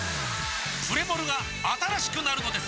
プレモルが新しくなるのです！